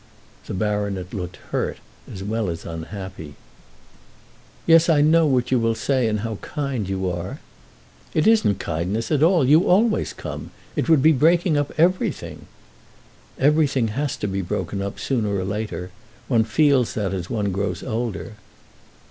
The baronet looked hurt as well as unhappy. "Yes, I know what you will say, and how kind you are." "It isn't kindness at all. You always come. It would be breaking up everything." "Everything has to be broken up sooner or later. One feels that as one grows older."